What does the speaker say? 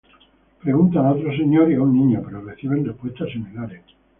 Preguntan a otro señor, y a un niño, pero reciben respuestas similares.